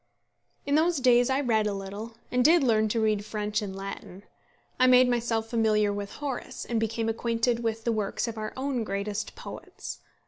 In those days I read a little, and did learn to read French and Latin. I made myself familiar with Horace, and became acquainted with the works of our own greatest poets.